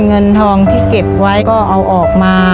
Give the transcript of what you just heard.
เงินทองที่เก็บไว้ก็เอาออกมา